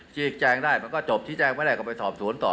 ชี้แจงได้มันก็จบชี้แจงไม่ได้ก็ไปสอบสวนต่อ